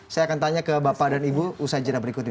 saya akan tanya ke bapak dan ibu usaha jenah berikut ini